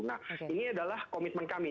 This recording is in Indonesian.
nah ini adalah komitmen kami